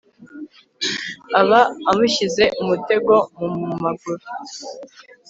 aba amushyize umutego mu maguru